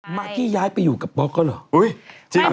น์บ๊วยฟ๊าร์ทนี่ย้ายไปอยู่กับพล็อกเขาเหรอ